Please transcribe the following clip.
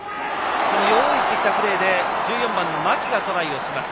用意してきたプレーで１４番の槇がトライしました。